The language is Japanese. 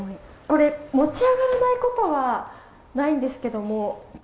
持ち上がらないことはないんですけども。